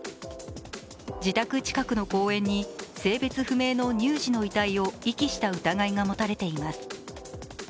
自宅近くの公園に性別不明の乳児の遺体を遺棄した疑いが持たれています。